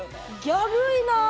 ギャルいなあ。